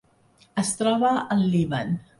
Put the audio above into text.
Es troba al Líban.